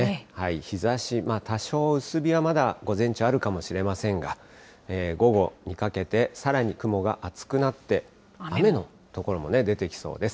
日ざし、多少薄日はまだ午前中、あるかもしれませんが、午後にかけて、さらに雲が厚くなって、雨の所も出てきそうです。